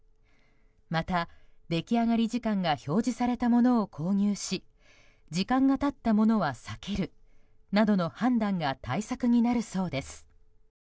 また、出来上がり時間が表示されたものを購入し時間が経ったものは避けるなどの判断が対策になるそうです。